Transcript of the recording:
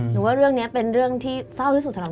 ว่าเรื่องนี้เป็นเรื่องที่เศร้าที่สุดสำหรับ